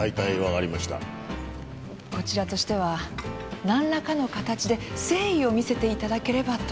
こちらとしては何らかの形で誠意を見せていただければと。